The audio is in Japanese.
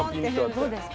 どうですか？